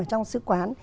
ở trong sứ quán